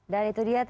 dan itu dia tadi